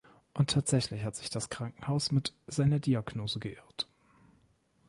Und tatsächlich hat sich das Krankenhaus mit seiner Diagnose geirrt.